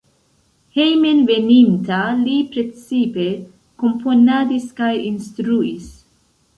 Hejmenveninta li precipe komponadis kaj instruis.